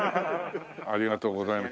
ありがとうございます。